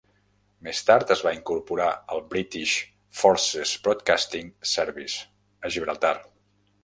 Més tard es va incorporar al British Forces Broadcasting Service a Gibraltar.